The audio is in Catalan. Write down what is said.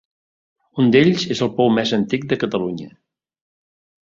Un d'ells és el pou més antic de Catalunya.